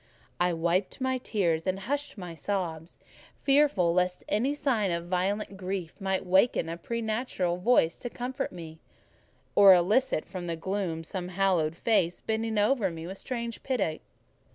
I wiped my tears and hushed my sobs, fearful lest any sign of violent grief might waken a preternatural voice to comfort me, or elicit from the gloom some haloed face, bending over me with strange pity.